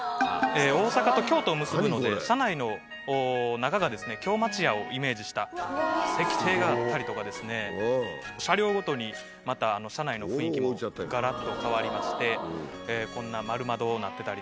大阪と京都を結ぶので車内の中が京町屋をイメージした石庭があったりとか車両ごとにまた車内の雰囲気もがらっと変わりましてこんな丸窓になってたり。